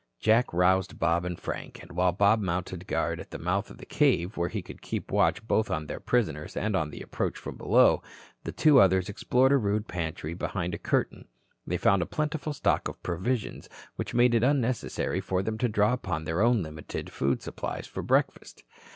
Jack roused Bob and Frank, and while Bob mounted guard at the mouth of the cave where he could keep watch both on their prisoners and on the approach from below, the two others explored a rude pantry behind a curtain. They found a plentiful stock of provisions, which made it unnecessary for them to draw upon their own limited food supplies for breakfast.